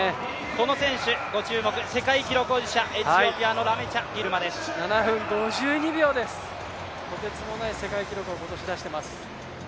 この選手、ご注目、世界記録保持者、エチオピアのラメチャ・ギルマです７分５２秒です、とてつもない世界記録を今年出してます。